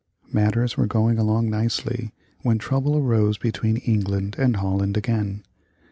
Matters were going along nicely when trouble arose between England and Holland again.